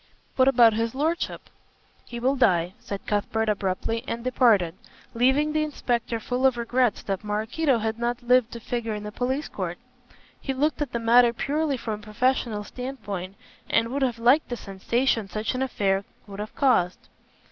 "What about his lordship?" "He will die," said Cuthbert abruptly, and departed, leaving the inspector full of regrets that Maraquito had not lived to figure in the police court. He looked at the matter purely from a professional standpoint, and would have liked the sensation such an affair would have caused.